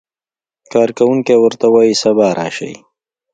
کارکوونکی ورته وایي سبا راشئ.